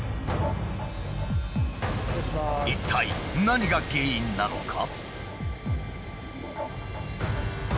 一体何が原因なのか？